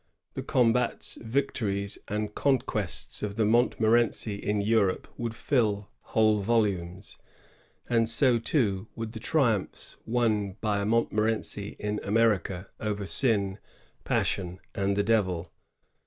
The combats, victories, and conquests of the Montmorency in Europe would fill whole volumes ; and so, too, would the triumphs won by a Montmorency in America over sin, passion, and the Devil."